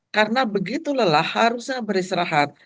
karena begitu lelah harusnya beristirahat